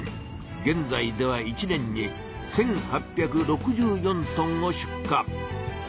げんざいでは一年に１８６４トンを出荷。